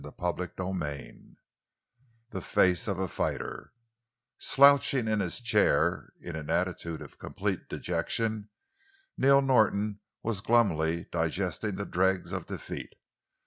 CHAPTER XIV—THE FACE OF A FIGHTER Slouching in his chair, in an attitude of complete dejection, Neil Norton was glumly digesting the dregs of defeat.